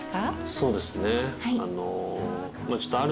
そうですねあの。